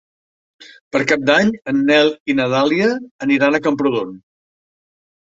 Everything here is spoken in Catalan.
Per Cap d'Any en Nel i na Dàlia aniran a Camprodon.